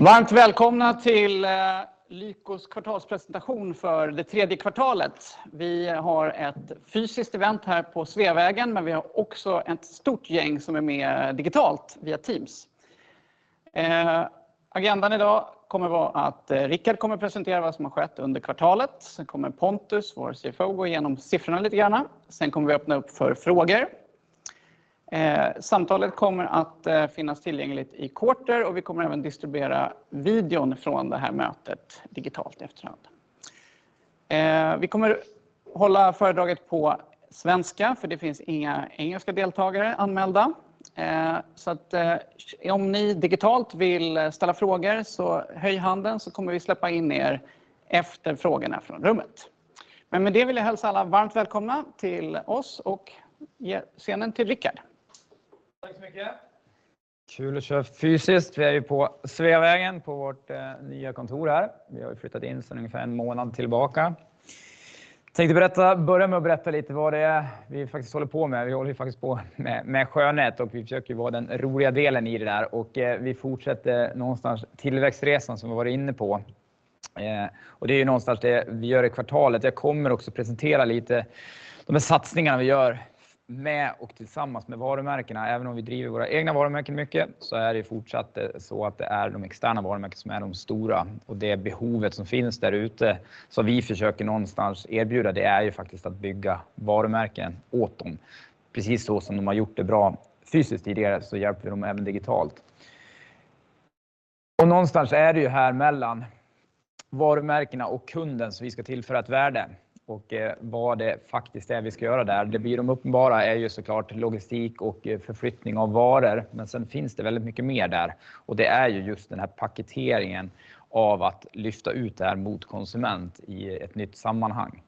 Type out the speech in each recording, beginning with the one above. Varmt välkomna till Lykos kvartalspresentation för det tredje kvartalet! Vi har ett fysiskt event här på Sveavägen, men vi har också ett stort gäng som är med digitalt via Teams. Agendan idag kommer att vara att Rickard kommer att presentera vad som har skett under kvartalet. Sen kommer Pontus, vår CFO, gå igenom siffrorna lite grann. Sen kommer vi att öppna upp för frågor. Samtalet kommer att finnas tillgängligt i Quarter och vi kommer även distribuera videon från det här mötet digitalt i efterhand. Vi kommer hålla föredraget på svenska, för det finns inga engelska deltagare anmälda. Om ni digitalt vill ställa frågor, höj handen så kommer vi att släppa in er efter frågorna från rummet. Men med det vill jag hälsa alla varmt välkomna till oss och ge scenen till Rickard. Tack så mycket! Kul att köra fysiskt. Vi är ju på Sveavägen på vårt nya kontor här. Vi har ju flyttat in sedan ungefär en månad tillbaka. Tänkte berätta, börja med att berätta lite vad det är vi faktiskt håller på med. Vi håller ju faktiskt på med skönhet och vi försöker vara den roliga delen i det där och vi fortsätter någonstans tillväxtresan som vi har varit inne på. Det är någonstans det vi gör i kvartalet. Jag kommer också att presentera lite de satsningarna vi gör med och tillsammans med varumärkena, även om vi driver våra egna varumärken mycket, så är det fortsatt så att det är de externa varumärken som är de stora och det behovet som finns där ute. Vi försöker någonstans erbjuda, det är ju faktiskt att bygga varumärken åt dem. Precis så som de har gjort det bra fysiskt tidigare, så hjälper vi dem även digitalt. Någonstans är det ju här mellan varumärkena och kunden, så vi ska tillföra ett värde och vad det faktiskt är vi ska göra där. Det blir de uppenbara är ju så klart logistik och förflyttning av varor, men sen finns det väldigt mycket mer där och det är ju just den här paketeringen av att lyfta ut det här mot konsument i ett nytt sammanhang.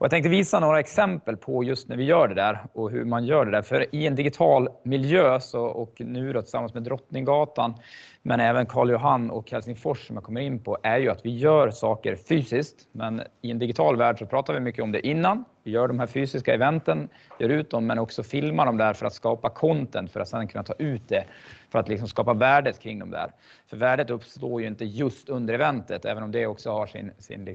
Jag tänkte visa några exempel på just när vi gör det där och hur man gör det där. För i en digital miljö så, och nu tillsammans med Drottninggatan, men även Karl Johan och Helsingfors, som jag kommer in på, är ju att vi gör saker fysiskt, men i en digital värld så pratar vi mycket om det innan. Vi gör de här fysiska eventen, gör ut dem, men också filmar dem där för att skapa content, för att sedan kunna ta ut det, för att skapa värdet kring dem där. För värdet uppstår ju inte just under eventet, även om det också har sin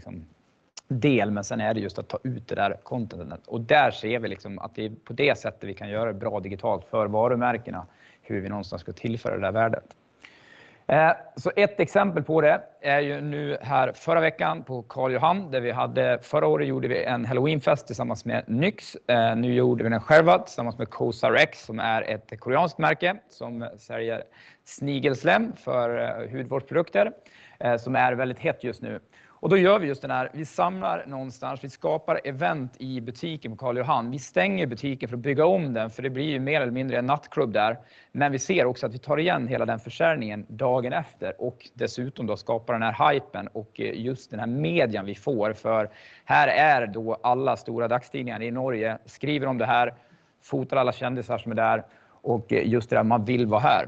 del, men sen är det just att ta ut det där contentet. Där ser vi att det är på det sättet vi kan göra det bra digitalt för varumärkena, hur vi någonstans ska tillföra det där värdet. Ett exempel på det är ju nu här förra veckan på Karl Johan, där vi hade... Förra året gjorde vi en Halloweenfest tillsammans med NYX. Nu gjorde vi den själva tillsammans med Cosa Rex, som är ett koreanskt märke som säljer snigelslem för hudvårdsprodukter, som är väldigt hett just nu. Och då gör vi just den här, vi samlar någonstans, vi skapar event i butiken på Karl Johan. Vi stänger butiken för att bygga om den, för det blir ju mer eller mindre en nattklubb där, men vi ser också att vi tar igen hela den försäljningen dagen efter och dessutom då skapar den här hajpen och just den här median vi får. För här är då alla stora dagstidningar i Norge, skriver om det här, fotar alla kändisar som är där och just det där, man vill vara här.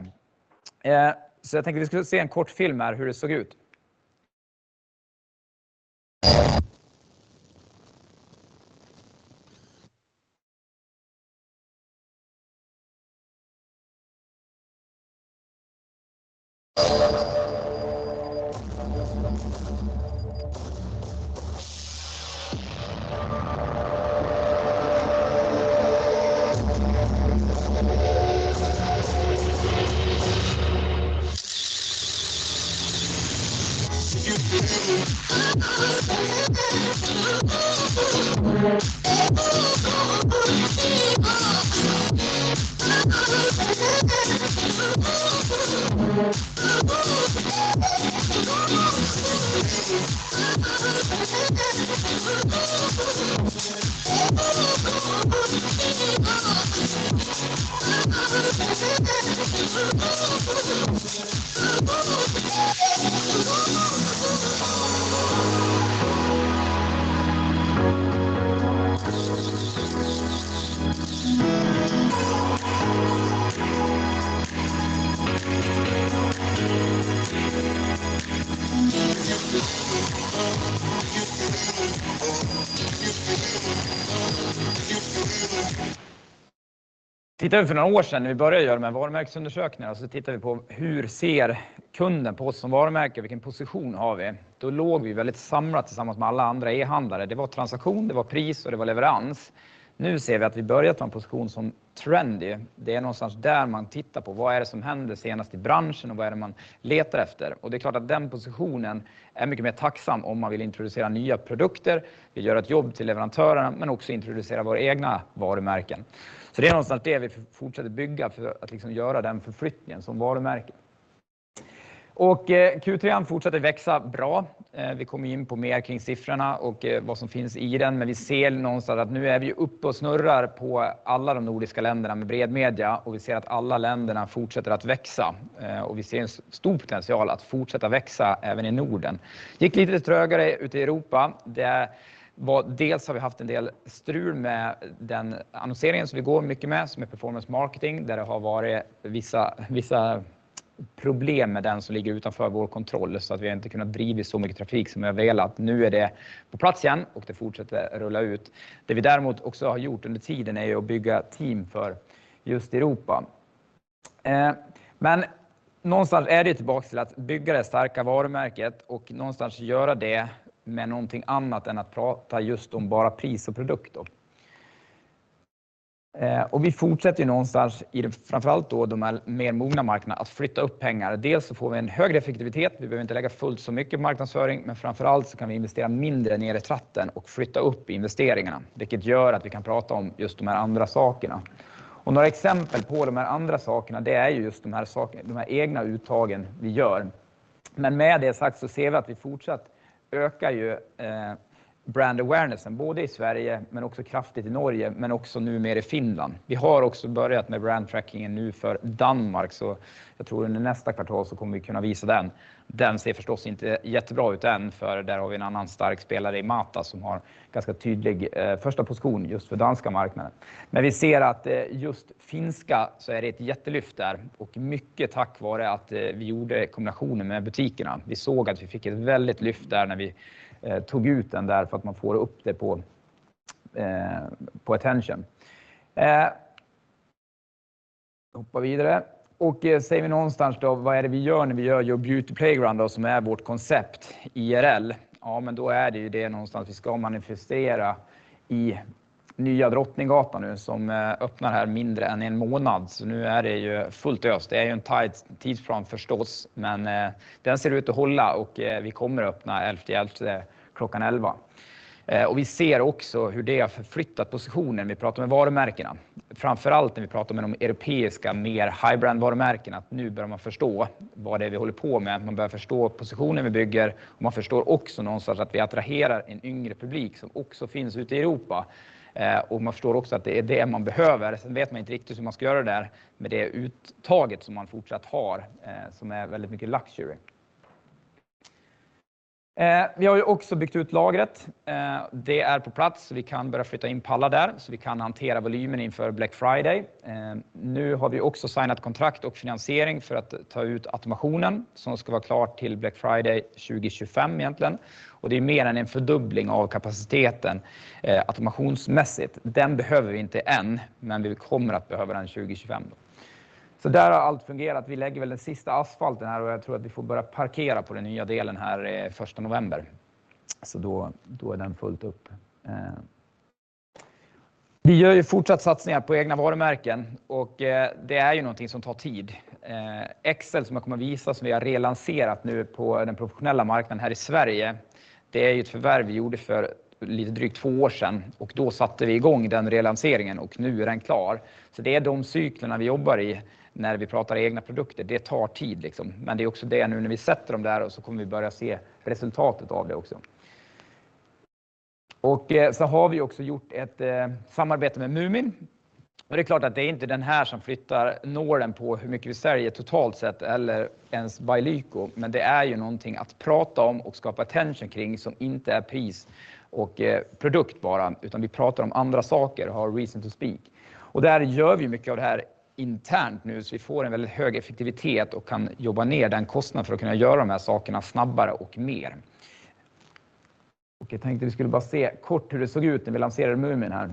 Så jag tänker vi ska se en kort film här hur det såg ut. Titta för några år sedan, när vi började göra de här varumärkesundersökningarna, så tittar vi på hur ser kunden på oss som varumärke? Vilken position har vi? Då låg vi väldigt samlat tillsammans med alla andra e-handlare. Det var transaktion, det var pris och det var leverans. Nu ser vi att vi börjat ta en position som trendy. Det är någonstans där man tittar på vad är det som händer senast i branschen och vad är det man letar efter. Det är klart att den positionen är mycket mer tacksam om man vill introducera nya produkter. Vi gör ett jobb till leverantörerna, men också introducera våra egna varumärken. Det är någonstans det vi fortsätter bygga för att göra den förflyttningen som varumärke. Q3 fortsätter växa bra. Vi kommer in på mer kring siffrorna och vad som finns i den, men vi ser någonstans att nu är vi uppe och snurrar på alla de nordiska länderna med bredmedia och vi ser att alla länderna fortsätter att växa och vi ser en stor potential att fortsätta växa även i Norden. Gick lite trögare ute i Europa. Det var, dels har vi haft en del strul med den annonseringen som vi går mycket med, som är performance marketing, där det har varit vissa problem med den som ligger utanför vår kontroll, så att vi har inte kunnat driva så mycket trafik som vi har velat. Nu är det på plats igen och det fortsätter att rulla ut. Det vi däremot också har gjort under tiden är att bygga team för just Europa. Men någonstans är det tillbaka till att bygga det starka varumärket och någonstans göra det med någonting annat än att prata just om bara pris och produkt då. Vi fortsätter någonstans i framför allt då de mer mogna marknaderna att flytta upp pengar. Dels så får vi en högre effektivitet, vi behöver inte lägga fullt så mycket marknadsföring, men framför allt så kan vi investera mindre ner i tratten och flytta upp investeringarna, vilket gör att vi kan prata om just de här andra sakerna. Några exempel på de här andra sakerna, det är just de här egna uttagen vi gör. Men med det sagt så ser vi att vi fortsatt ökar ju brand awarenessen, både i Sverige men också kraftigt i Norge, men också numera i Finland. Vi har också börjat med brand trackingen nu för Danmark, så jag tror under nästa kvartal så kommer vi kunna visa den. Den ser förstås inte jättebra ut än, för där har vi en annan stark spelare i Mata, som har ganska tydlig första position just för danska marknaden. Men vi ser att just finska så är det ett jättelyft där och mycket tack vare att vi gjorde kombinationen med butikerna. Vi såg att vi fick ett väldigt lyft där när vi tog ut den där för att man får upp det på attention. Hoppa vidare och säger vi någonstans då, vad är det vi gör när vi gör Beauty Playground, som är vårt koncept IRL? Ja, men då är det ju det någonstans vi ska manifestera i Nya Drottninggatan nu, som öppnar här mindre än en månad. Så nu är det ju fullt ös. Det är ju en tight tidsplan förstås, men den ser ut att hålla och vi kommer att öppna 11 till 11 klockan 11. Vi ser också hur det har förflyttat positionen. Vi pratar med varumärkena, framför allt när vi pratar med de europeiska, mer high brand varumärken, att nu bör man förstå vad det är vi håller på med, att man börja förstå positionen vi bygger. Man förstår också någonstans att vi attraherar en yngre publik som också finns ute i Europa. Man förstår också att det är det man behöver. Sen vet man inte riktigt hur man ska göra det där, men det är uttaget som man fortsatt har, som är väldigt mycket luxury. Vi har ju också byggt ut lagret. Det är på plats, vi kan börja flytta in pallar där, så vi kan hantera volymen inför Black Friday. Nu har vi också signat kontrakt och finansiering för att ta ut automationen som ska vara klart till Black Friday 2025 egentligen. Det är mer än en fördubbling av kapaciteten automationsmässigt. Den behöver vi inte än, men vi kommer att behöva den 2025. Så där har allt fungerat. Vi lägger väl den sista asfalten här och jag tror att vi får börja parkera på den nya delen här första november. Då är den fullt upp. Vi gör ju fortsatt satsningar på egna varumärken och det är ju någonting som tar tid. Excel, som jag kommer att visa, som vi har relanserat nu på den professionella marknaden här i Sverige, det är ju ett förvärv vi gjorde för lite drygt två år sedan och då satte vi i gång den relanseringen och nu är den klar. Så det är de cyklerna vi jobbar i när vi pratar egna produkter. Det tar tid, men det är också det nu när vi sätter de där och så kommer vi börja se resultatet av det också. Och så har vi också gjort ett samarbete med Mumin. Det är klart att det är inte den här som flyttar nålen på hur mycket vi säljer totalt sett eller ens by Liko, men det är ju någonting att prata om och skapa attention kring som inte är pris och produkt bara, utan vi pratar om andra saker, har reason to speak. Och där gör vi mycket av det här internt nu, så vi får en väldigt hög effektivitet och kan jobba ner den kostnaden för att kunna göra de här sakerna snabbare och mer. Och jag tänkte vi skulle bara se kort hur det såg ut när vi lanserade Mumin här.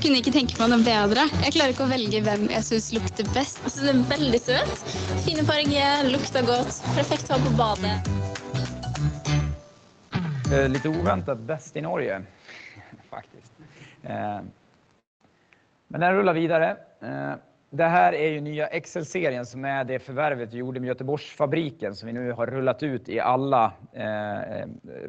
Det är väldigt söt då. Lektionen är så söt. Jag kunde inte tänka mig något bättre. Jag klarar inte att välja vem jag tycker luktar bäst. Det är väldigt söt. Fina färger, luktar gott, perfekt att ha på badet. Lite oväntat, bäst i Norge, faktiskt. Men den rullar vidare. Det här är ju nya Excel-serien som är det förvärvet vi gjorde med Göteborgsfabriken, som vi nu har rullat ut i alla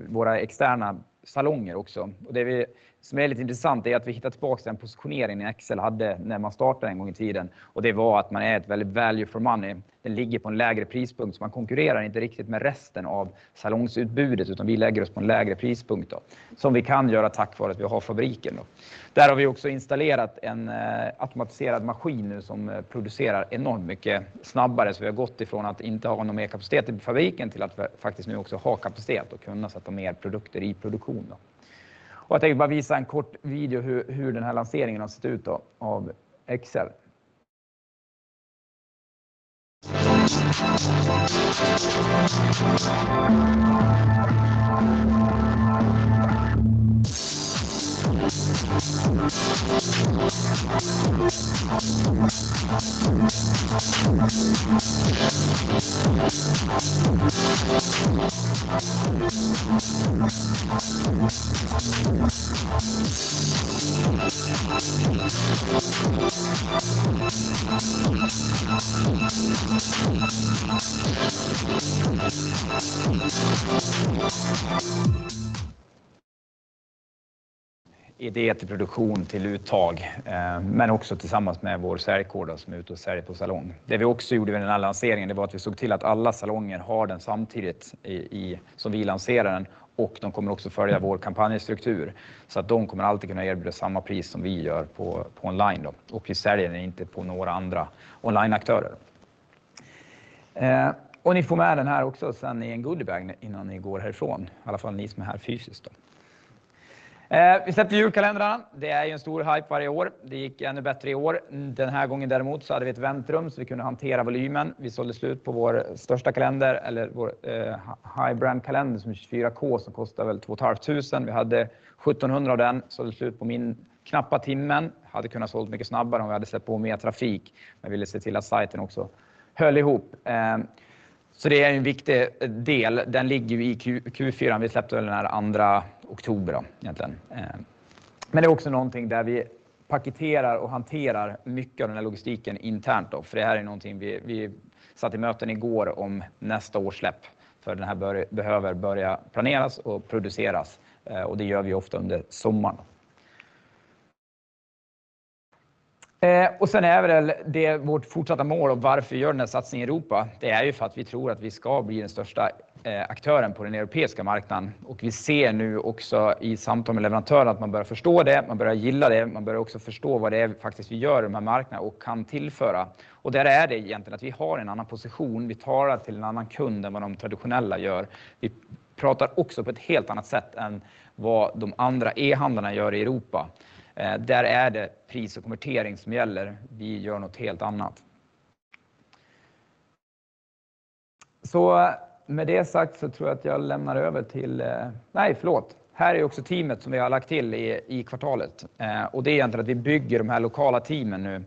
våra externa salonger också. Det vi, som är lite intressant är att vi hittar tillbaka den positioneringen i Excel hade när man startade en gång i tiden och det var att man är ett väldigt value for money. Den ligger på en lägre prispunkt, så man konkurrerar inte riktigt med resten av salongsutbudet, utan vi lägger oss på en lägre prispunkt, som vi kan göra tack för att vi har fabriken. Där har vi också installerat en automatiserad maskin nu som producerar enormt mycket snabbare. Så vi har gått ifrån att inte ha någon mer kapacitet i fabriken till att faktiskt nu också ha kapacitet och kunna sätta mer produkter i produktion. Jag tänkte bara visa en kort video hur den här lanseringen har sett ut av Excel. Idé till produktion till uttag, men också tillsammans med vår säljkår som är ute och säljer på salong. Det vi också gjorde vid den här lanseringen, det var att vi såg till att alla salonger har den samtidigt som vi lanserar den och de kommer också att följa vår kampanjstruktur. Så att de kommer alltid kunna erbjuda samma pris som vi gör på online då. Vi säljer den inte på några andra onlineaktörer. Ni får med den här också sedan i en goodie bag innan ni går härifrån, i alla fall ni som är här fysiskt då. Vi sätter julkalendrar. Det är ju en stor hype varje år. Det gick ännu bättre i år. Den här gången däremot så hade vi ett väntrum så vi kunde hantera volymen. Vi sålde slut på vår största kalender eller vår high brand kalender som är 24K, som kostar väl 2500 kr. Vi hade 1700 av den, sålde slut på min knappa timmen. Hade kunnat sålt mycket snabbare om vi hade sett på mer trafik, men ville se till att sajten också höll ihop. Så det är en viktig del. Den ligger ju i Q4. Vi släppte den här andra oktober då egentligen. Men det är också någonting där vi paketerar och hanterar mycket av den här logistiken internt då, för det här är någonting vi, vi satt i möten i går om nästa års släpp, för den här behöver börja planeras och produceras och det gör vi ofta under sommaren. Och sen är väl det vårt fortsatta mål och varför vi gör den här satsningen i Europa, det är ju för att vi tror att vi ska bli den största aktören på den europeiska marknaden och vi ser nu också i samtal med leverantörer att man börjar förstå det, man börjar gilla det, man börjar också förstå vad det är faktiskt vi gör med marknaden och kan tillföra. Och där är det egentligen att vi har en annan position, vi talar till en annan kund än vad de traditionella gör. Vi pratar också på ett helt annat sätt än vad de andra e-handlarna gör i Europa. Där är det pris och konvertering som gäller. Vi gör något helt annat. Med det sagt så tror jag att jag lämnar över till... Nej, förlåt! Här är också teamet som vi har lagt till i kvartalet och det är egentligen att vi bygger de här lokala teamen nu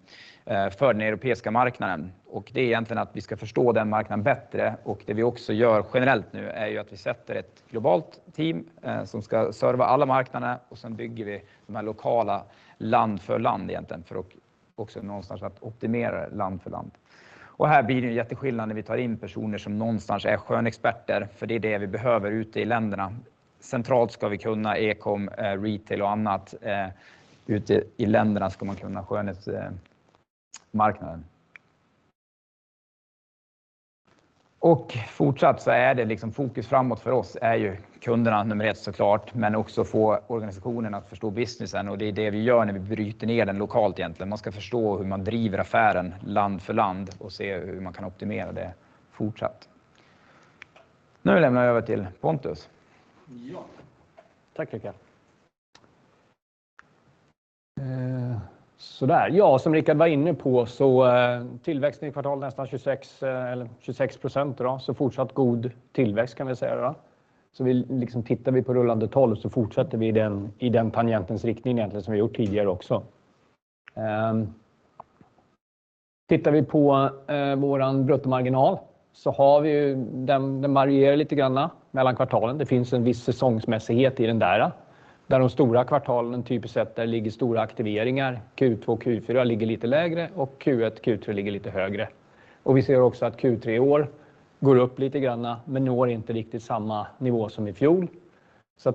för den europeiska marknaden och det är egentligen att vi ska förstå den marknaden bättre och det vi också gör generellt nu är ju att vi sätter ett globalt team som ska serva alla marknaderna och sen bygger vi de här lokala land för land egentligen, för att också någonstans optimera land för land. Här blir det en jätteskillnad när vi tar in personer som någonstans är skönexperter, för det är det vi behöver ute i länderna. Centralt ska vi kunna e-com, retail och annat. Ute i länderna ska man kunna skönhetsmarknaden. Och fortsatt så är det fokus framåt för oss är ju kunderna nummer ett så klart, men också få organisationen att förstå businessen och det är det vi gör när vi bryter ner den lokalt egentligen. Man ska förstå hur man driver affären land för land och se hur man kan optimera det fortsatt. Nu lämnar jag över till Pontus. Ja, tack Rickard. Sådär, ja, som Rickard var inne på så tillväxten i kvartalet, nästan 26%, eller 26%, så fortsatt god tillväxt kan vi säga då. Tittar vi på rullande tolv så fortsätter vi i den tangentens riktning egentligen som vi gjort tidigare också. Tittar vi på vår bruttomarginal så varierar den lite granna mellan kvartalen. Det finns en viss säsongsmässighet där, där de stora kvartalen typiskt sett, där ligger stora aktiveringar. Q2, Q4 ligger lite lägre och Q1, Q3 ligger lite högre. Vi ser också att Q3 i år går upp lite granna, men når inte riktigt samma nivå som i fjol.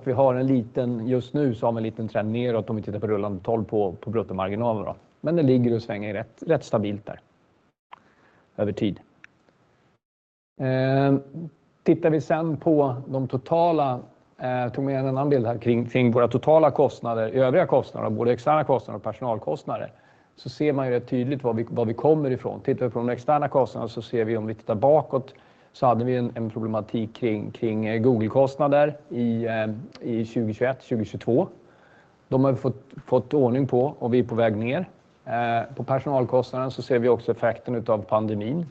Vi har en liten, just nu, vi har en liten trend nedåt om vi tittar på rullande tolv på bruttomarginalen. Men det ligger och svänger rätt stabilt där, över tid. Tittar vi sedan på de totala, jag tog med en annan bild här kring våra totala kostnader, övriga kostnader, både externa kostnader och personalkostnader, så ser man ju rätt tydligt vad vi kommer ifrån. Tittar vi på de externa kostnaderna så ser vi om vi tittar bakåt, så hade vi en problematik kring Google-kostnader i 2021, 2022. De har vi fått ordning på och vi är på väg ner. På personalkostnaden så ser vi också effekten utav pandemin.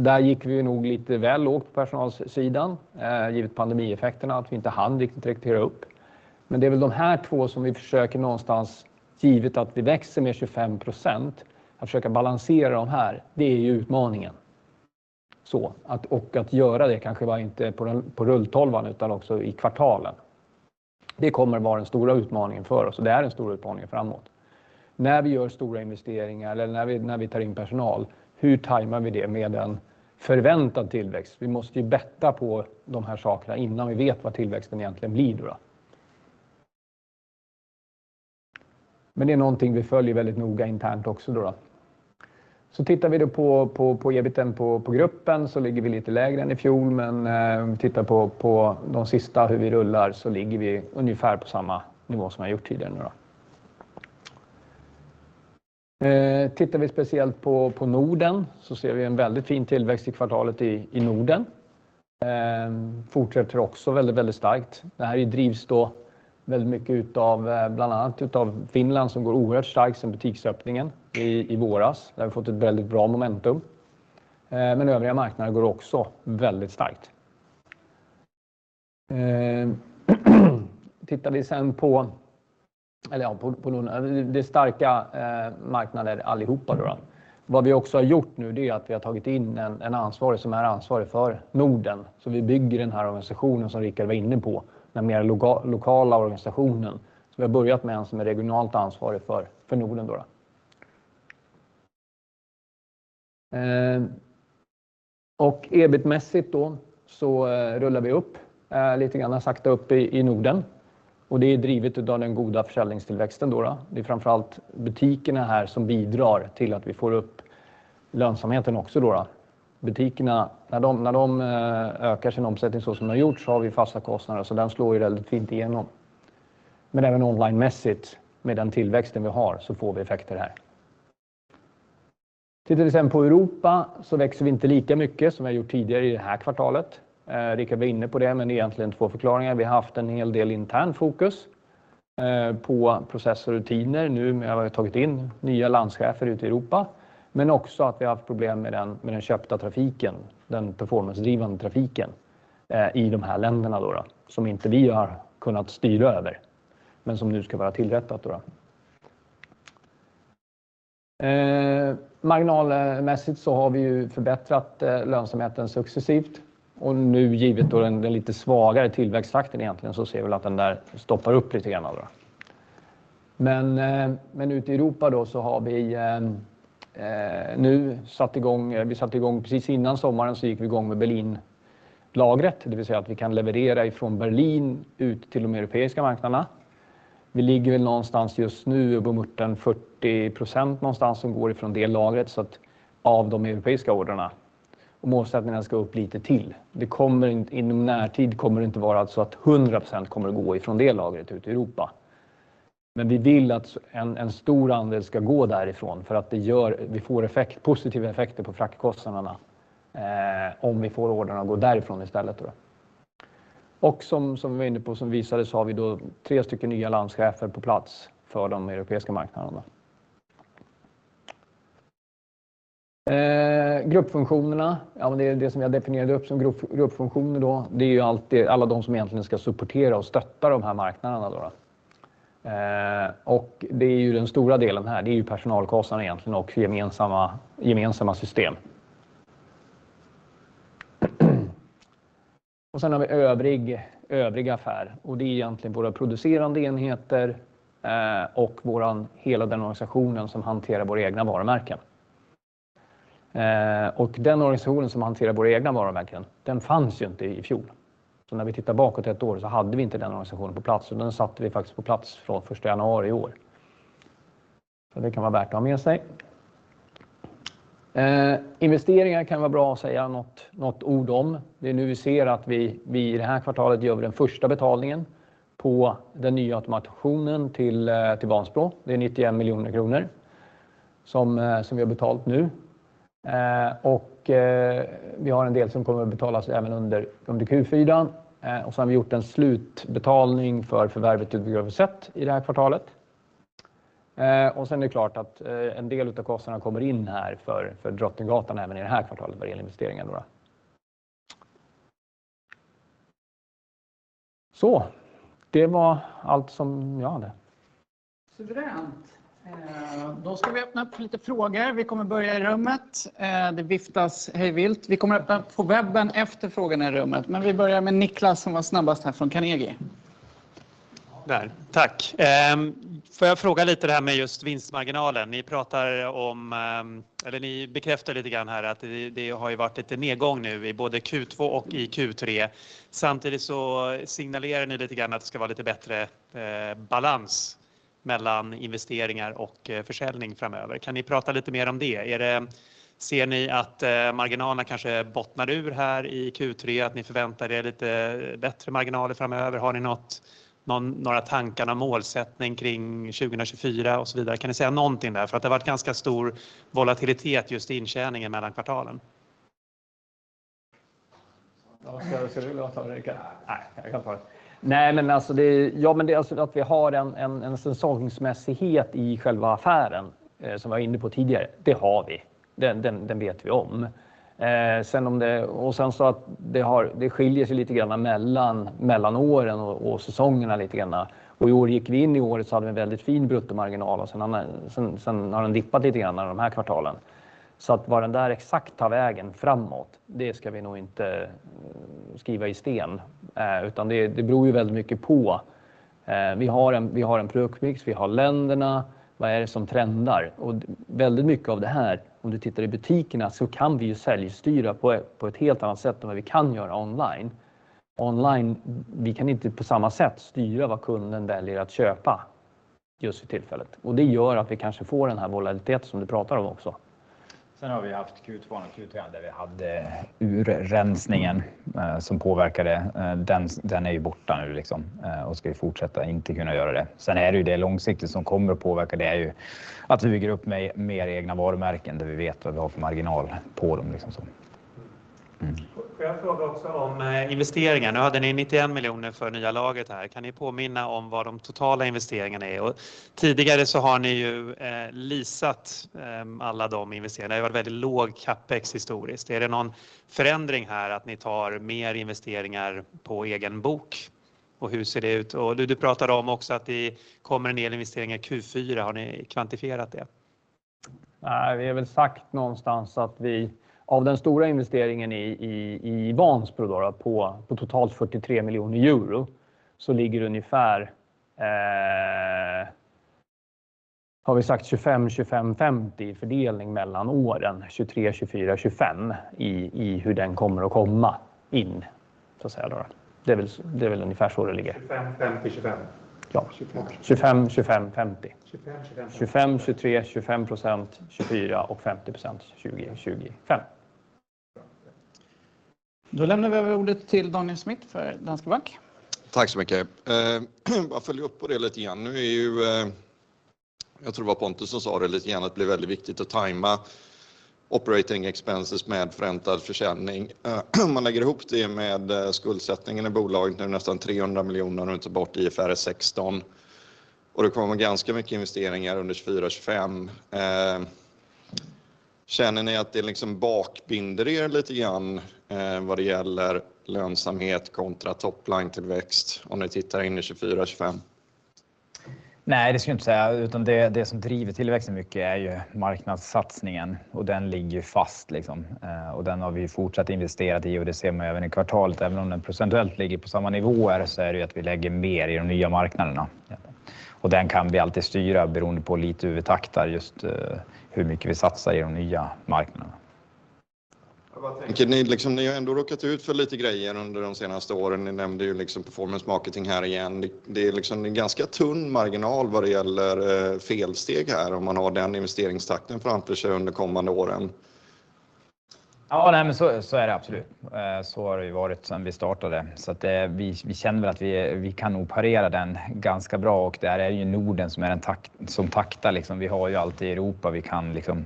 Där gick vi nog lite väl lågt på personalsidan, givet pandemieffekterna, att vi inte hann riktigt rekrytera upp. Men det är väl de här två som vi försöker någonstans, givet att vi växer med 25%, att försöka balansera de här. Det är ju utmaningen. Att göra det kanske var inte på rulltolvan, utan också i kvartalen. Det kommer vara den stora utmaningen för oss och det är en stor utmaning framåt. När vi gör stora investeringar eller när vi tar in personal, hur tajmar vi det med en förväntad tillväxt? Vi måste ju betta på de här sakerna innan vi vet vad tillväxten egentligen blir då. Men det är någonting vi följer väldigt noga internt också då. Tittar vi då på ebiten på gruppen så ligger vi lite lägre än i fjol, men om vi tittar på de sista hur vi rullar, så ligger vi ungefär på samma nivå som vi har gjort tidigare nu då. Tittar vi speciellt på Norden så ser vi en väldigt fin tillväxt i kvartalet i Norden. Fortsätter också väldigt, väldigt starkt. Det här drivs då väldigt mycket utav, bland annat utav Finland, som går oerhört starkt sedan butiksöppningen i våras. Där har vi fått ett väldigt bra momentum. Men övriga marknader går också väldigt starkt. Tittar vi sen på det starka marknader allihopa då. Vad vi också har gjort nu, det är att vi har tagit in en ansvarig som är ansvarig för Norden. Så vi bygger den här organisationen som Rickard var inne på, den mer lokala organisationen. Så vi har börjat med en som är regionalt ansvarig för Norden då. EBIT-mässigt då så rullar vi upp lite grann, sakta upp i Norden och det är drivet utav den goda försäljningstillväxten då. Det är framför allt butikerna här som bidrar till att vi får upp lönsamheten också då. Butikerna, när de ökar sin omsättning så som de har gjort, så har vi fasta kostnader, så den slår ju väldigt fint igenom. Men även online mässigt, med den tillväxten vi har, så får vi effekter här. Tittar vi sen på Europa så växer vi inte lika mycket som vi gjort tidigare i det här kvartalet. Rickard var inne på det, men det är egentligen två förklaringar. Vi har haft en hel del internt fokus på process och rutiner nu med vad vi har tagit in, nya landschefer ute i Europa, men också att vi har haft problem med den köpta trafiken, den performance-drivande trafiken, i de här länderna då, som inte vi har kunnat styra över, men som nu ska vara tillrättat då. Marginalmässigt så har vi ju förbättrat lönsamheten successivt och nu givet då den lite svagare tillväxttakten egentligen, så ser vi att den där stoppar upp lite grann. Men ute i Europa då så har vi nu satt igång, vi satte igång precis innan sommaren, så gick vi igång med Berlinlagret, det vill säga att vi kan leverera från Berlin ut till de europeiska marknaderna. Vi ligger väl någonstans just nu på runt 40% någonstans som går från det lagret, av de europeiska ordrarna. Målsättningen ska upp lite till. Det kommer inte, inom närtid kommer det inte vara så att 100% kommer att gå från det lagret ut i Europa. Men vi vill att en stor andel ska gå därifrån för att det gör, vi får effekt, positiva effekter på fraktkostnaderna om vi får ordrarna att gå därifrån istället. Som vi var inne på, som visade, så har vi då tre stycken nya landchefer på plats för de europeiska marknaderna. Gruppfunktionerna, ja, det är det som vi har definierat upp som grupp, gruppfunktioner då. Det är ju alltid alla de som egentligen ska supportera och stötta de här marknaderna då. Och det är ju den stora delen här, det är ju personalkostnaden egentligen och gemensamma, gemensamma system. Sen har vi övrig, övrig affär och det är egentligen våra producerande enheter, och våran, hela den organisationen som hanterar våra egna varumärken. Och den organisationen som hanterar våra egna varumärken, den fanns ju inte i fjol. När vi tittar bakåt ett år så hade vi inte den organisationen på plats och den satte vi faktiskt på plats från första januari i år. Det kan vara värt att ha med sig. Investeringar kan vara bra att säga något, något ord om. Det är nu vi ser att vi i det här kvartalet gör vi den första betalningen på den nya automationen till Vansbro. Det är 91 miljoner kronor som vi har betalt nu. Och vi har en del som kommer att betalas även under Q4. Och så har vi gjort en slutbetalning för förvärvet av Griff set i det här kvartalet. Och sen är det klart att en del av kostnaderna kommer in här för Drottninggatan även i det här kvartalet vad det gäller investeringar då. Så det var allt som jag hade. Suveränt! Då ska vi öppna upp för lite frågor. Vi kommer börja i rummet. Det viftas hej vilt. Vi kommer öppna på webben efter frågorna i rummet, men vi börjar med Niklas, som var snabbast här från Carnegie. Tack! Får jag fråga lite det här med just vinstmarginalen? Ni pratar om, eller ni bekräftar lite grann här att det har ju varit lite nedgång nu i både Q2 och i Q3. Samtidigt så signalerar ni lite grann att det ska vara lite bättre balans mellan investeringar och försäljning framöver. Kan ni prata lite mer om det? Ser ni att marginalen kanske bottnar ur här i Q3, att ni förväntar er lite bättre marginaler framöver? Har ni några tankar om målsättning kring 2024 och så vidare? Kan ni säga någonting där? För det har varit ganska stor volatilitet just i intjäningen mellan kvartalen. Ska du ta det Rickard? Nej, jag kan ta det. Nej, men det är att vi har en säsongsmässighet i själva affären, som jag var inne på tidigare. Det har vi, den vet vi om. Sedan om det, och sen så att det har, det skiljer sig lite grann mellan åren och säsongerna lite grann. I år gick vi in i året, så hade vi en väldigt fin bruttomarginal och sen har den dippat lite grann under de här kvartalen. Så att var den där exakt tar vägen framåt, det ska vi nog inte skriva i sten, utan det beror ju väldigt mycket på. Vi har en produktmix, vi har länderna, vad är det som trendar? Och väldigt mycket av det här, om du tittar i butikerna, så kan vi ju säljstyra på ett helt annat sätt än vad vi kan göra online. Online, vi kan inte på samma sätt styra vad kunden väljer att köpa just för tillfället, och det gör att vi kanske får den här volatiliteten som du pratar om också. Sen har vi haft Q2 och Q3, där vi hade urrensningen som påverkade. Den är ju borta nu och ska vi fortsätta inte kunna göra det. Sen är det ju det långsiktigt som kommer att påverka, det är ju att vi bygger upp med mer egna varumärken, där vi vet vad vi har för marginal på dem. Får jag fråga också om investeringarna? Ni hade 91 miljoner för nya laget här. Kan ni påminna om vad de totala investeringarna är? Tidigare så har ni ju leasat alla de investeringarna. Det har varit väldigt låg capex historiskt. Är det någon förändring här att ni tar mer investeringar på egen bok? Hur ser det ut? Du pratar om också att det kommer en del investeringar i Q4. Har ni kvantifierat det? Nej, vi har väl sagt någonstans att vi av den stora investeringen i Vansbro då på totalt 43 miljoner euro, så ligger det ungefär, har vi sagt 25, 25, 50 i fördelning mellan åren. 2023, 2024, 2025 i hur den kommer att komma in, så att säga då. Det är väl ungefär så det ligger. Tjugofem, femtio, tjugofem. Ja, 25%, 25%, 50%. 25%, 23%, 25%, 24% och 50%, 20%, 25%. Då lämnar vi över ordet till Daniel Smith för Danske Bank. Tack så mycket! Bara följa upp på det lite grann. Nu är ju, jag tror det var Pontus som sa det lite grann, att det blir väldigt viktigt att tajma operating expenses med förväntad försäljning. Man lägger ihop det med skuldsättningen i bolaget. Nu är det nästan 300 miljoner när du tar bort IFRS 16. Och det kommer att vara ganska mycket investeringar under 2024, 2025. Känner ni att det liksom bakbinder er lite grann vad det gäller lönsamhet kontra top line tillväxt om ni tittar in i 2024, 2025? Nej, det skulle jag inte säga, utan det som driver tillväxten mycket är ju marknadssatsningen och den ligger ju fast liksom. Den har vi fortsatt investerat i och det ser man även i kvartalet. Även om den procentuellt ligger på samma nivåer, så är det ju att vi lägger mer i de nya marknaderna. Den kan vi alltid styra beroende på lite hur vi taktar just hur mycket vi satsar i de nya marknaderna. Jag bara tänker, ni har ändå råkat ut för lite grejer under de senaste åren. Ni nämnde ju performance marketing här igen. Det är en ganska tunn marginal vad det gäller felsteg här, om man har den investeringstakten framför sig under kommande åren. Ja, men så är det absolut. Så har det ju varit sedan vi startade. Vi känner väl att vi kan nog parera den ganska bra och där är det ju Norden som är den takt som taktar liksom. Vi har ju allt i Europa, vi kan liksom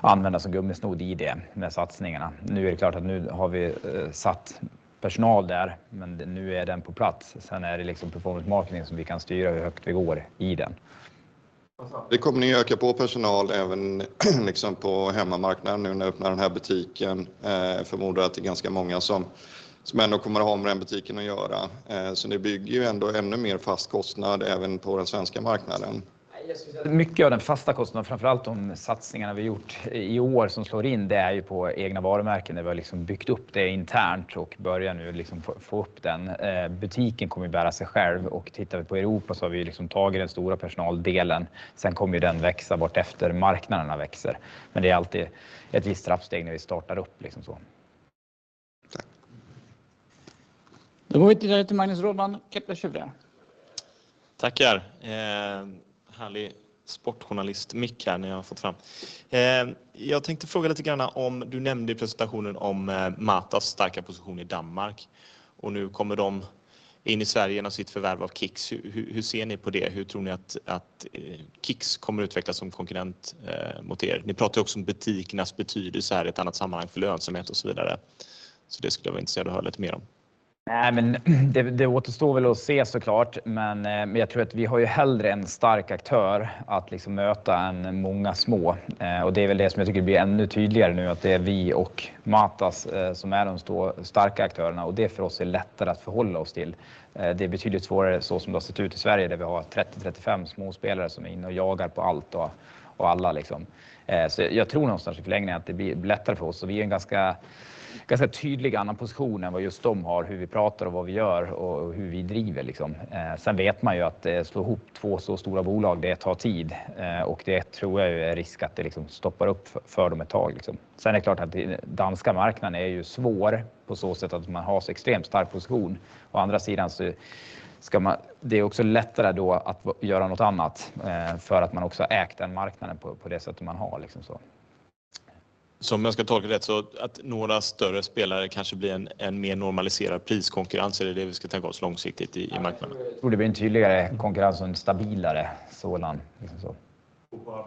använda som gummisnodd i det, med satsningarna. Nu är det klart att nu har vi satt personal där, men nu är den på plats. Sen är det liksom performance marketing som vi kan styra hur högt det går i den. Det kommer ni öka på personal även på hemmamarknaden nu när ni öppnar den här butiken. Jag förmodar att det är ganska många som ändå kommer att ha med den butiken att göra. Så ni bygger ju ändå ännu mer fastkostnad även på den svenska marknaden. Mycket av den fasta kostnaden, framför allt de satsningarna vi gjort i år som slår in, det är ju på egna varumärken. Det har byggt upp det internt och börja nu få upp den. Butiken kommer att bära sig själv och tittar vi på Europa så har vi tagit den stora personaldelen. Sen kommer ju den växa bort efter marknaderna växer, men det är alltid ett visst trappsteg när vi startar upp. Då går vi vidare till Magnus Rådman, Kepler Cheuvreux. Tack! Härlig sportjournalistik här när jag har fått fram. Jag tänkte fråga lite grann om, du nämnde i presentationen om Matas starka position i Danmark och nu kommer de in i Sverige genom sitt förvärv av Kicks. Hur ser ni på det? Hur tror ni att Kicks kommer utvecklas som konkurrent mot er? Ni pratar också om butikernas betydelse här i ett annat sammanhang för lönsamhet och så vidare. Så det skulle jag vara intresserad av att höra lite mer om. Nej, men det återstår väl att se så klart, men jag tror att vi har ju hellre en stark aktör att möta än många små. Och det är väl det som jag tycker blir ännu tydligare nu, att det är vi och Matas som är de stå, starka aktörerna och det för oss är lättare att förhålla oss till. Det är betydligt svårare, så som det har sett ut i Sverige, där vi har trettio, trettiofem småspelare som är inne och jagar på allt och alla. Så jag tror någonstans i förlängningen att det blir lättare för oss. Och vi är en ganska, ganska tydlig annan position än vad just de har, hur vi pratar och vad vi gör och hur vi driver. Sen vet man ju att slå ihop två så stora bolag, det tar tid, och det tror jag är risk att det stoppar upp för dem ett tag. Sen är det klart att danska marknaden är ju svår på så sätt att man har så extremt stark position. Å andra sidan så ska man, det är också lättare då att göra något annat, för att man också ägt den marknaden på det sättet man har. Om jag ska tolka rätt, så att några större spelare kanske blir en mer normaliserad priskonkurrens? Är det det vi ska tänka oss långsiktigt i marknaden? Det blir en tydligare konkurrens och en stabilare sådan.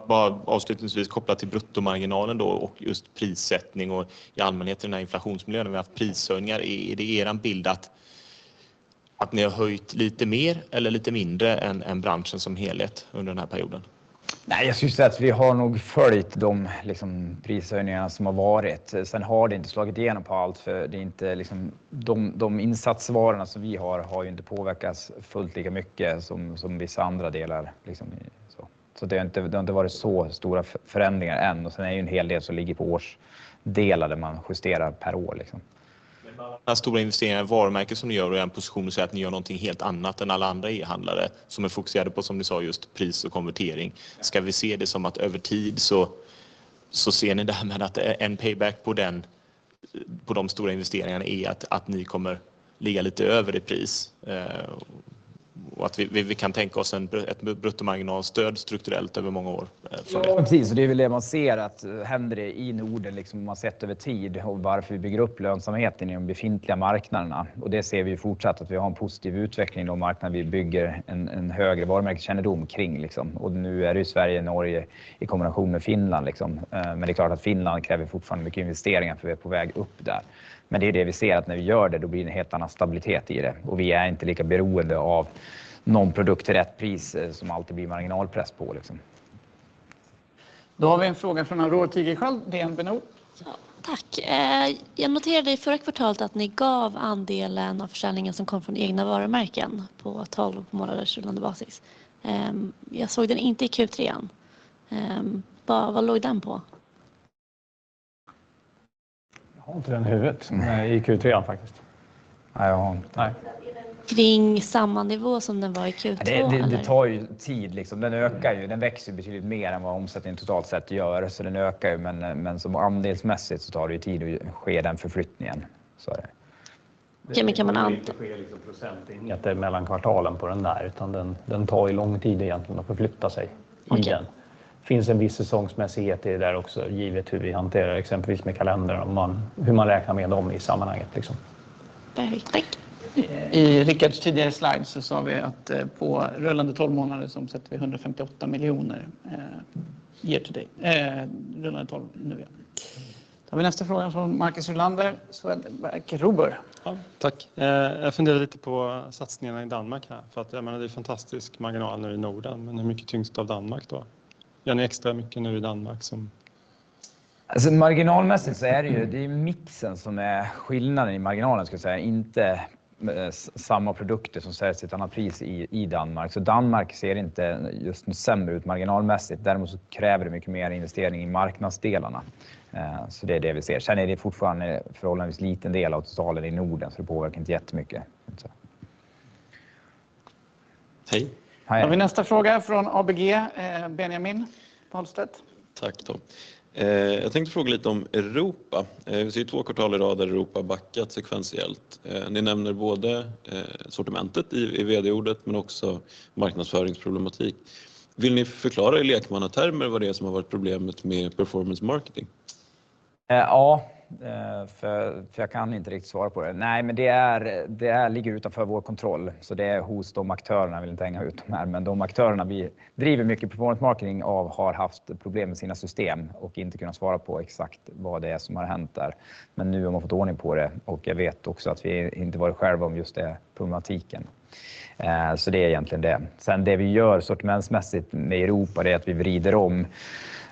Bara avslutningsvis kopplat till bruttomarginalen då och just prissättning och i allmänhet i den här inflationsmiljön. Vi har haft prishöjningar. Är det er bild att ni har höjt lite mer eller lite mindre än branschen som helhet under den här perioden? Nej, jag skulle säga att vi har nog följt de prishöjningarna som har varit. Sen har det inte slagit igenom på allt, för det är inte de insatsvarorna som vi har har ju inte påverkats fullt lika mycket som vissa andra delar. Så det har inte varit så stora förändringar än. Och sen är det ju en hel del som ligger på årsdelar, där man justerar per år. Den stora investeringen i varumärke som ni gör och er position är att ni gör någonting helt annat än alla andra e-handlare som är fokuserade på, som ni sa, just pris och konvertering. Ska vi se det som att över tid så ser ni det här med att en payback på de stora investeringarna är att ni kommer ligga lite över i pris? Och att vi kan tänka oss ett bruttomarginalstöd strukturellt över många år. Ja, det är väl det man ser att händer i Norden, liksom man sett över tid och varför vi bygger upp lönsamheten i de befintliga marknaderna. Det ser vi ju fortsatt att vi har en positiv utveckling i de marknader vi bygger en högre varumärkeskännedom kring. Nu är det Sverige, Norge, i kombination med Finland. Men det är klart att Finland kräver fortfarande mycket investeringar för vi är på väg upp där. Men det är det vi ser, att när vi gör det, då blir det en helt annan stabilitet i det och vi är inte lika beroende av någon produkt till rätt pris som alltid blir marginalpress på. Då har vi en fråga från Aurora Tigerchald, DN Bibiut. Tack! Jag noterade i förra kvartalet att ni gav andelen av försäljningen som kom från egna varumärken på tolv månaders rullande basis. Jag såg den inte i Q3. Vad låg den på? Jag har inte den i huvudet, i Q3 faktiskt. Nej, jag har inte. Nej. Kring samma nivå som den var i Q2? Det tar tid, liksom. Den ökar, den växer betydligt mer än vad omsättningen totalt sett gör, så den ökar. Men som andelsmässigt så tar det tid att ske den förflyttningen, så är det. Ja, men kan man- Det sker inte procentenheter mellan kvartalen på den där, utan den tar ju lång tid egentligen att förflytta sig igen. Det finns en viss säsongsmässighet i det där också, givet hur vi hanterar exempelvis med kalendrar, hur man räknar med dem i sammanhanget. Det är tack! I Richards tidigare slide så sa vi att på rullande tolv månader så omsätter vi 158 miljoner, year to date. Rullande tolv, nu ja. Då har vi nästa fråga från Marcus Rylander, Swedbank Robur. Tack. Jag funderade lite på satsningarna i Danmark här, för att jag menar, det är fantastisk marginal nu i Norden, men det är mycket tyngst av Danmark då. Gör ni extra mycket nu i Danmark som? Alltså, marginalmässigt så är det ju, det är mixen som är skillnaden i marginalen ska jag säga, inte samma produkter som säljs till ett annat pris i Danmark. Så Danmark ser inte just nu sämre ut marginalmässigt. Däremot så kräver det mycket mer investering i marknadsdelarna. Så det är det vi ser. Sen är det fortfarande en förhållandevis liten del av totalen i Norden, så det påverkar inte jättemycket. Hej! Då har vi nästa fråga från ABG, Benjamin Walstedt. Tack då. Jag tänkte fråga lite om Europa. Vi ser två kvartal i rad där Europa har backat sekventiellt. Ni nämner både sortimentet i vd-ordet, men också marknadsföringsproblematik. Vill ni förklara i lekmannatermer vad det är som har varit problemet med performance marketing? Ja, för jag kan inte riktigt svara på det. Nej, men det ligger utanför vår kontroll, så det är hos de aktörerna. Jag vill inte hänga ut de här, men de aktörerna vi driver mycket performance marketing av har haft problem med sina system och inte kunnat svara på exakt vad det är som har hänt där. Men nu har man fått ordning på det och jag vet också att vi inte varit själva om just det problematiken. Det är egentligen det. Sen det vi gör sortimentsmässigt med Europa, det är att vi vrider om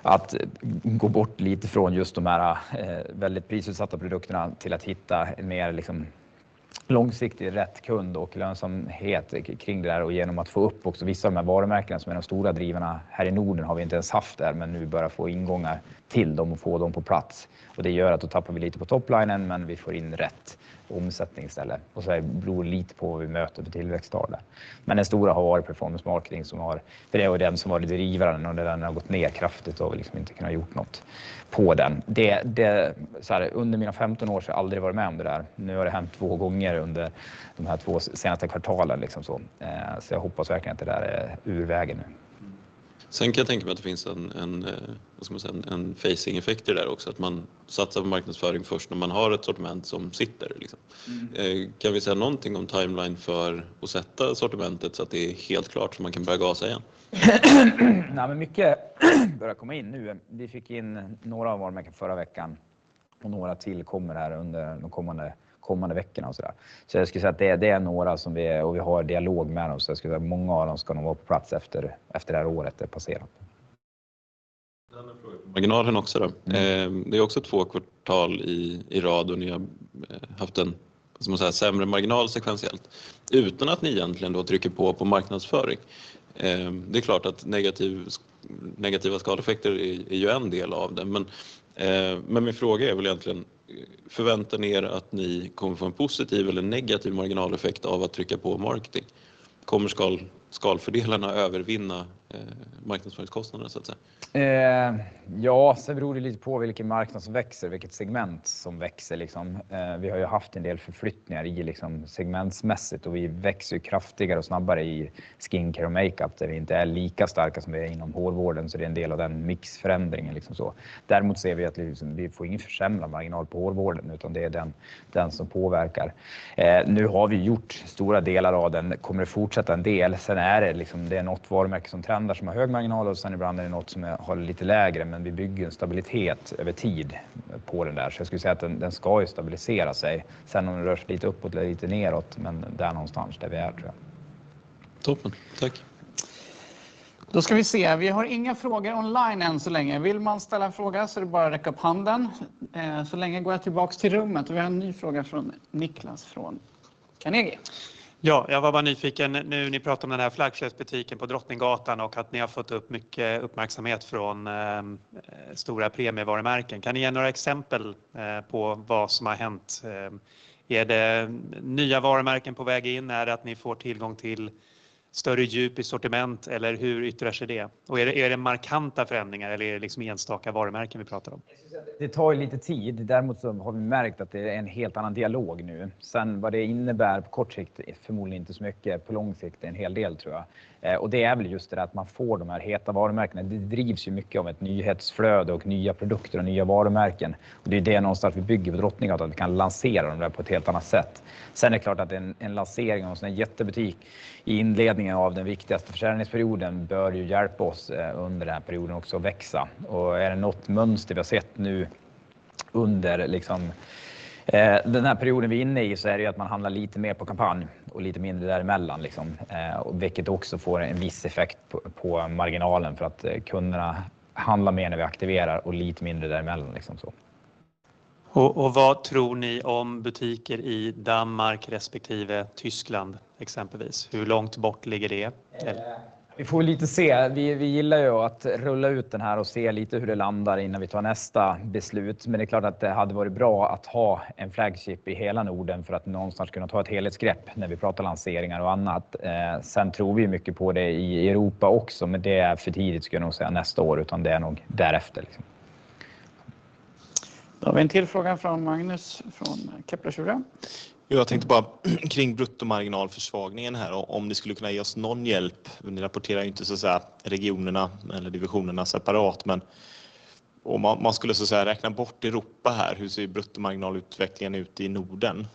att gå bort lite från just de här väldigt prisutsatta produkterna till att hitta en mer långsiktig, rätt kund och lönsamhet kring det där. Och genom att få upp också vissa av de varumärkena som är de stora drivarna. Här i Norden har vi inte ens haft det, men nu börjar få ingångar till dem och få dem på plats. Det gör att då tappar vi lite på top line, men vi får in rätt omsättning istället. Det beror lite på hur vi möter för tillväxtar. Men den stora har varit performance marketing, som har, för det var den som varit drivaren under den har gått ner kraftigt och vi liksom inte kunnat gjort något på den. Under mina femton år så har jag aldrig varit med om det där. Nu har det hänt två gånger under de här två senaste kvartalen. Jag hoppas verkligen att det där är ur vägen nu. Sen kan jag tänka mig att det finns en vad ska man säga, en phasing effekt i det där också, att man satsar på marknadsföring först när man har ett sortiment som sitter, liksom. Kan vi säga någonting om timeline för att sätta sortimentet så att det är helt klart så man kan börja gasa igen? Nej, men mycket börjar komma in nu. Vi fick in några varumärken förra veckan och några till kommer här under de kommande veckorna och sådär. Så jag skulle säga att det är några som vi har dialog med dem. Så jag skulle säga att många av dem ska nog vara på plats efter det här året är passerat. Marginalen också då. Det är också två kvartal i rad och ni har haft en, ska man säga, sämre marginal sekventiellt, utan att ni egentligen då trycker på på marknadsföring. Det är klart att negativa skaleffekter är ju en del av det. Men min fråga är väl egentligen: förväntar ni er att ni kommer få en positiv eller negativ marginaleffekt av att trycka på marketing? Kommer skalfördelarna övervinna marknadsföringskostnaderna så att säga? Ja, sen beror det lite på vilken marknad som växer, vilket segment som växer. Vi har ju haft en del förflyttningar segmentsmässigt och vi växer kraftigare och snabbare i skincare och makeup, där vi inte är lika starka som vi är inom hårvården, så det är en del av den mixförändringen. Däremot ser vi att vi får ingen försämrad marginal på hårvården, utan det är den som påverkar. Nu har vi gjort stora delar av den, kommer att fortsätta en del. Sen är det något varumärke som trendar, som har hög marginal och sen ibland är det något som har lite lägre, men vi bygger en stabilitet över tid på den där. Så jag skulle säga att den ska ju stabilisera sig. Sen om den rör sig lite uppåt eller lite nedåt, men det är någonstans där vi är tror jag. Toppen, tack! Då ska vi se. Vi har inga frågor online än så länge. Vill man ställa en fråga så är det bara att räcka upp handen. Så länge går jag tillbaka till rummet och vi har en ny fråga från Niklas från Carnegie. Ja, jag var bara nyfiken. Nu, ni pratar om den här flaggskeppsbutiken på Drottninggatan och att ni har fått upp mycket uppmärksamhet från stora premiumvarumärken. Kan ni ge några exempel på vad som har hänt? Är det nya varumärken på väg in? Är det att ni får tillgång till större djup i sortiment eller hur yttrar sig det? Och är det markanta förändringar eller är det liksom enstaka varumärken vi pratar om? Det tar ju lite tid, däremot så har vi märkt att det är en helt annan dialog nu. Sen, vad det innebär på kort sikt? Förmodligen inte så mycket. På lång sikt, en hel del tror jag. Och det är väl just det att man får de här heta varumärkena. Det drivs ju mycket av ett nyhetsflöde och nya produkter och nya varumärken. Och det är det någonstans vi bygger på Drottninggatan, att vi kan lansera dem på ett helt annat sätt. Sen är det klart att en lansering av en jättebutik i inledningen av den viktigaste försäljningsperioden bör ju hjälpa oss under den här perioden också att växa. Är det något mönster vi har sett nu under den här perioden vi är inne i så är det att man handlar lite mer på kampanj och lite mindre däremellan, vilket också får en viss effekt på marginalen för att kunderna handlar mer när vi aktiverar och lite mindre däremellan så. Och vad tror ni om butiker i Danmark respektive Tyskland, exempelvis? Hur långt bort ligger det? Vi får lite se. Vi gillar ju att rulla ut den här och se lite hur det landar innan vi tar nästa beslut. Men det är klart att det hade varit bra att ha en flagship i hela Norden för att någonstans kunna ta ett helhetsgrepp när vi pratar lanseringar och annat. Sen tror vi mycket på det i Europa också, men det är för tidigt ska jag nog säga nästa år, utan det är nog därefter liksom. Då har vi en till fråga från Magnus, från Kepler Cheuvreux. Jo, jag tänkte bara kring bruttomarginalförsvagningen här. Om ni skulle kunna ge oss någon hjälp? Ni rapporterar inte så att säga regionerna eller divisionerna separat, men om man skulle så att säga räkna bort Europa här, hur ser bruttomarginalutvecklingen ut i Norden?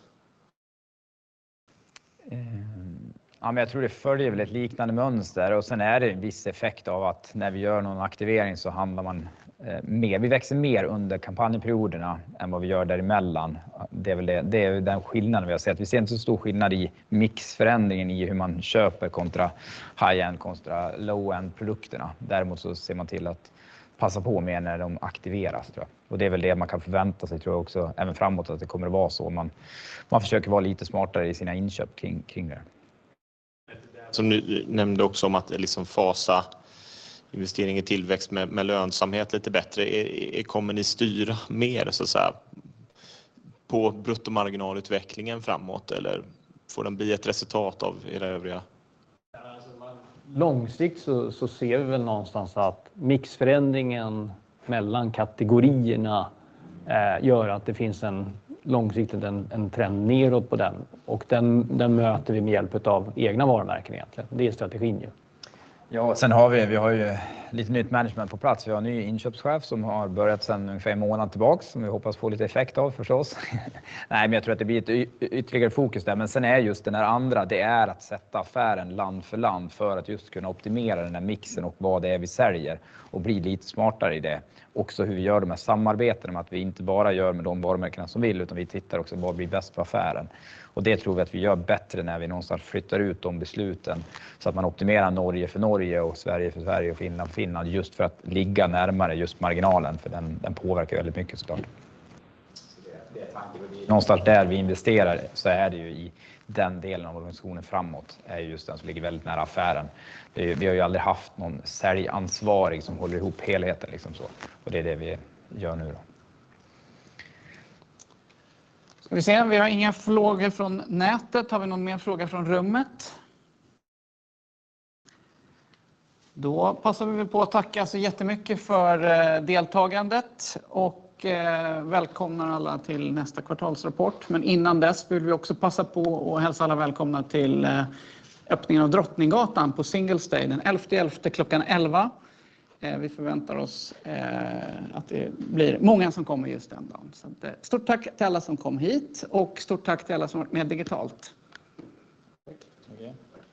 Ja, men jag tror det följer väl ett liknande mönster och sen är det en viss effekt av att när vi gör någon aktivering så handlar man mer. Vi växer mer under kampanjperioderna än vad vi gör däremellan. Det är väl det, det är den skillnaden vi har sett. Vi ser inte så stor skillnad i mixförändringen i hur man köper kontra high end, kontra low end produkterna. Däremot så ser man till att passa på mer när de aktiveras tror jag. Det är väl det man kan förvänta sig tror jag också, även framåt, att det kommer att vara så. Man försöker vara lite smartare i sina inköp kring det. Som ni nämnde också om att fasa investering i tillväxt med lönsamhet lite bättre. Kommer ni styra mer så att säga på bruttomarginalutvecklingen framåt eller får den bli ett resultat av era övriga? Långsiktigt så ser vi väl någonstans att mixförändringen mellan kategorierna gör att det finns en långsiktig trend nedåt på den, och den möter vi med hjälp av egna varumärken egentligen. Det är strategin ju. Sen har vi lite nytt management på plats. Vi har en ny inköpschef som har börjat sedan ungefär en månad tillbaka, som vi hoppas få lite effekt av förstås. Jag tror att det blir ett ytterligare fokus där. Men sen är just den där andra, det är att sätta affären land för land för att just kunna optimera den där mixen och vad det är vi säljer och bli lite smartare i det. Också hur vi gör de här samarbetena, att vi inte bara gör med de varumärkena som vill, utan vi tittar också vad blir bäst för affären. Det tror vi att vi gör bättre när vi någonstans flyttar ut de besluten så att man optimerar Norge för Norge och Sverige för Sverige och Finland, Finland, just för att ligga närmare just marginalen, för den påverkar väldigt mycket så klart. Någonstans där vi investerar så är det ju i den delen av organisationen framåt, är just den som ligger väldigt nära affären. Vi har ju aldrig haft någon säljansvarig som håller ihop helheten. Det är det vi gör nu då. Ska vi se om vi har inga frågor från nätet. Har vi någon mer fråga från rummet? Då passar vi på att tacka så jättemycket för deltagandet och välkomnar alla till nästa kvartalsrapport. Men innan dess vill vi också passa på att hälsa alla välkomna till öppningen av Drottninggatan på Singles Day, den 11:e 11:e klockan 11. Vi förväntar oss att det blir många som kommer just den dagen. Stort tack till alla som kom hit och stort tack till alla som varit med digitalt. Okay.